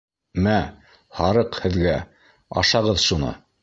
— Мә, һарыҡ һеҙгә, ашағыҙ шуны.